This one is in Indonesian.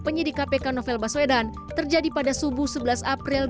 pemerintah dan kesehatan tersebut saya merasa tidak terlalu jelas karena penerbangan tersebut